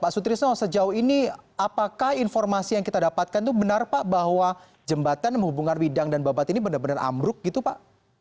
pak sutrisno sejauh ini apakah informasi yang kita dapatkan itu benar pak bahwa jembatan menghubungkan widang dan babat ini benar benar ambruk gitu pak